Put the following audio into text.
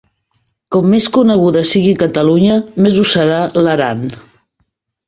Com més coneguda sigui Catalunya, més ho serà l'Aran.